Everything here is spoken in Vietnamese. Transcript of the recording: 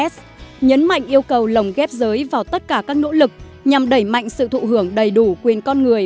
s nhấn mạnh yêu cầu lồng ghép giới vào tất cả các nỗ lực nhằm đẩy mạnh sự thụ hưởng đầy đủ quyền con người